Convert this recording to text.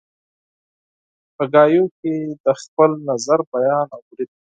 په خبرو کې د خپل نظر بیان او برید